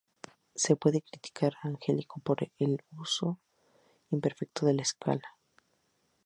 Se puede criticar a Angelico por su uso imperfecto de la escala.